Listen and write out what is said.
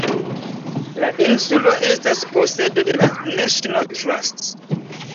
La insulo estas posedo de la National Trust.